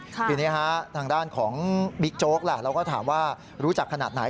ทีนี้ทางด้านของบิ๊กโจ๊กล่ะเราก็ถามว่ารู้จักขนาดไหน